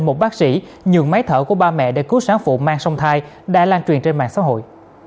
một bác sĩ nhường máy thở của ba mẹ để cứu sáng phụ mang sông thai đã lan truyền trên mạng xã hội